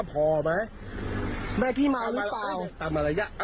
ผมเมาเนี่ย